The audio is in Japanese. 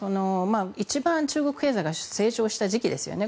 一番、中国経済が成長した時期ですよね。